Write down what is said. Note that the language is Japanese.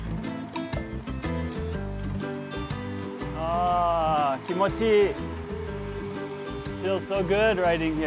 あ気持ちいい。